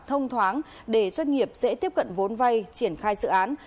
thông thoáng để doanh nghiệp dễ tiếp cận vốn vay triển khai dự án